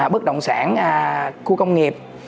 bất động sản khu công nghiệp